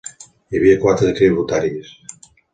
Hi havia quatre tributaris.